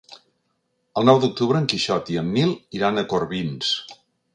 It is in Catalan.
El nou d'octubre en Quixot i en Nil iran a Corbins.